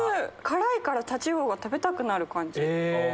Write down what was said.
辛いからタチウオが食べたくなる感じ。